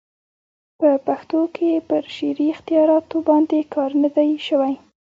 په پښتو کښي پر شعري اختیاراتو باندي کار نه دئ سوى.